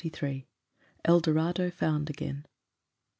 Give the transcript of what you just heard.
XLIII. El Dorado Found Again.